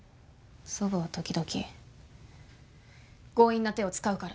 祖母は時々強引な手を使うから。